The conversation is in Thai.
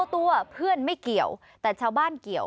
ตัวเพื่อนไม่เกี่ยวแต่ชาวบ้านเกี่ยว